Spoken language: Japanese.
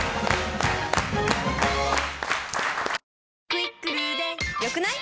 「『クイックル』で良くない？」